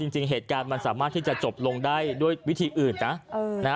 จริงเหตุการณ์มันสามารถที่จะจบลงได้ด้วยวิธีอื่นนะ